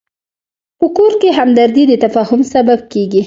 په کور کې همدردي د تفاهم سبب کېږي.